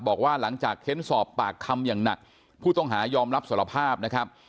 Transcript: บอกว่าหลังจากเค้นสอบปากคำอย่างหนักผู้ต้องหายอมรับสารภาพนะครับ